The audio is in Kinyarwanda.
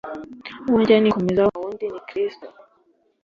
Uwo njya nikomezaho ntawundi ni kirisito